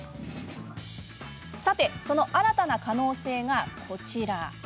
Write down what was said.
さて、その新たな可能性がこちら。